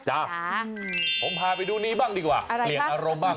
ผมพาไปดูนี้บ้างดีกว่าเปลี่ยนอารมณ์บ้าง